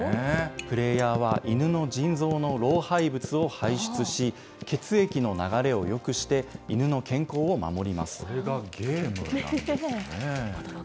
プレーヤーは犬の腎臓の老廃物を排出し、血液の流れをよくしこれがゲームなんですね。